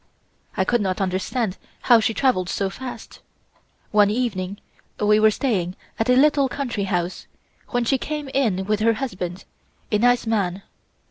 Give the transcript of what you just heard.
I could not understand how she traveled so fast. One evening we were staying at a little country house, when she came in with her husband, a nice man.